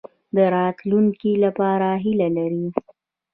د راتلونکي لپاره هیله لرئ؟